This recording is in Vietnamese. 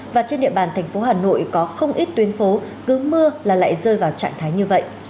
và trên địa bàn thành phố hà nội có không ít tuyến phố cứ mưa là lại rơi vào trạng thái như vậy